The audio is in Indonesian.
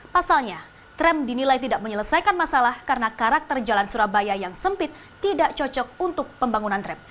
pasalnya tram dinilai tidak menyelesaikan masalah karena karakter jalan surabaya yang sempit tidak cocok untuk pembangunan tram